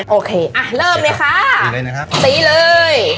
โอเคเริ่มเลยค่ะตีเลย